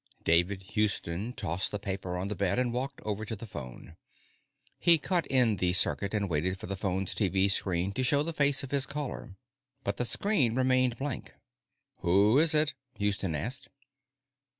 _ David Houston tossed the paper on the bed and walked over to the phone. He cut in the circuit, and waited for the phone's TV screen to show the face of his caller. But the screen remained blank. "Who is it?" Houston asked.